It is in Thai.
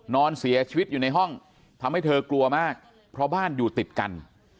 นอนเสียชีวิตอยู่ในห้องทำให้เธอกลัวมากเพราะบ้านอยู่ติดกัน